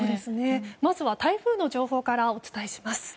まずは台風の情報からお伝えします。